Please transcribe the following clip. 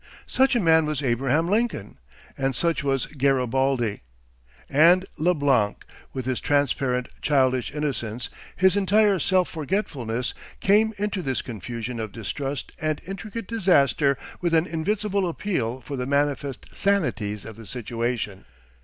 Such a man was Abraham Lincoln, and such was Garibaldi. And Leblanc, with his transparent childish innocence, his entire self forgetfulness, came into this confusion of distrust and intricate disaster with an invincible appeal for the manifest sanities of the situation.